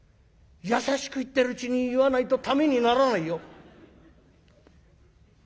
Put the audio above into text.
優しく言ってるうちに言わないとためにならないよ」。